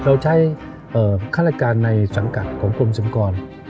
เราใช้ข้าราชการในสังกัดของกรมสุมกร